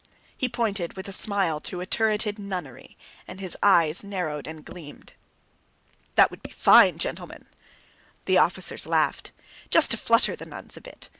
He pointed with a smile to a turreted nunnery, and his eyes narrowed and gleamed. "That would be fine, gentlemen!" The officers laughed. "Just to flutter the nuns a bit.